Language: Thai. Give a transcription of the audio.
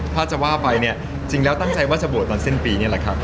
ถ้าจะว่าไปเนี่ยจริงแล้วตั้งใจว่าจะบวชตอนสิ้นปีนี่แหละครับ